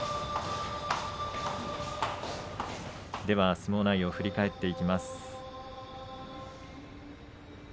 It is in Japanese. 相撲内容を振り返っていきます。